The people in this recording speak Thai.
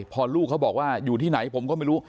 พอลูกเขาบอกว่าอยู่ที่ไหนผมก็ไม่รู้